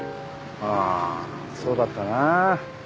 ああそうだったなあ。